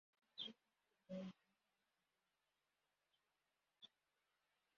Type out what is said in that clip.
Abantu benshi bishimira inyanja kumunsi wizuba